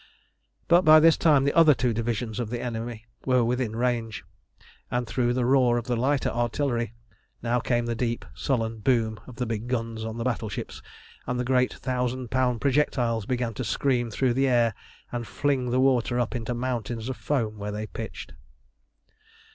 But by this time the other two divisions of the enemy were within range, and through the roar of the lighter artillery now came the deep, sullen boom of the big guns on the battleships, and the great thousand pound projectiles began to scream through the air and fling the water up into mountains of foam where they pitched.